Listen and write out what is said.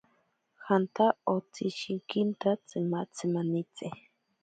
Janta otsishikinta tsimatzi manitsi.